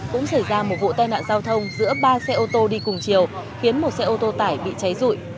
cũng xảy ra một vụ tai nạn giao thông giữa ba xe ô tô đi cùng chiều khiến một xe ô tô tải bị cháy rụi